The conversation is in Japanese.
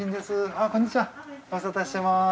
ご無沙汰してます。